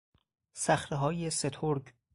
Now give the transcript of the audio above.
صخرههای سترگ